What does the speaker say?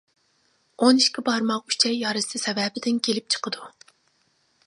ئون ئىككى بارماق ئۈچەي يارىسى سەۋەبىدىن كېلىپ چىقىدۇ.